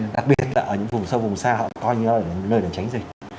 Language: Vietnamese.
đặc biệt là ở những vùng sâu vùng xa họ coi như là nơi để tránh dịch